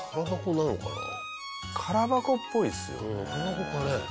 空箱っぽいですよね。